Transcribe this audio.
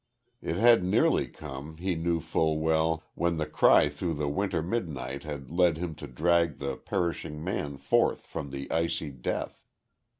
It had nearly come, he knew full well, when the cry through the winter midnight had led him to drag the perishing man forth from the icy death.